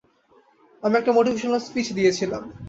আমি একটা motivational speech দিচ্ছিলাম।